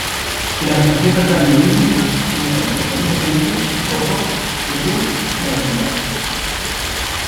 Las recetas anglo-indias usan frecuentemente coco, yogur y almendra.